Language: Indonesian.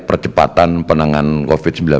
percepatan penanganan covid sembilan belas